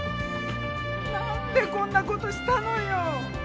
何でこんな事したのよ！